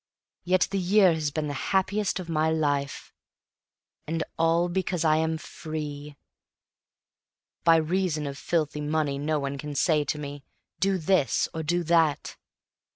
Yet the year has been the happiest of my life. And all because I am free. By reason of filthy money no one can say to me: Do this, or do that.